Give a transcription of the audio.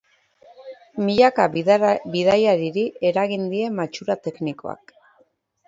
Milaka bidaiariri eragin die matxura teknikoak.